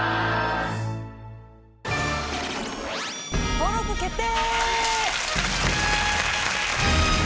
登録決定！